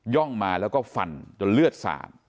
่องมาแล้วก็ฟันจนเลือดสาด